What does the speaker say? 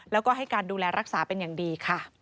แล้วก็ให้การดูแลรักษาเป็นอย่างดีค่ะ